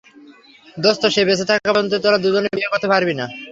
দোস্ত, সে বেঁচে থাকা পর্যন্ত তোরা দুজনে বিয়ে করতে পারবি না।